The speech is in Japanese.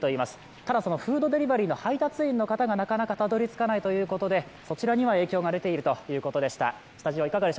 ただ、フードデリバリーの配達員の方がなかなかたどり着かないということでそちらには影響が出ているということでした。